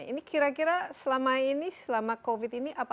ini kira kira selama ini selama covid ini apa